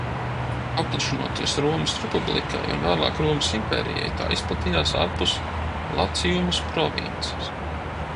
Paplašinoties Romas Republikai un vēlāk Romas impērijai, tā izplatījās ārpus Laciumas provinces.